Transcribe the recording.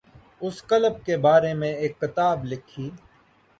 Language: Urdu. اس کلب کے بارے میں ایک کتاب لکھی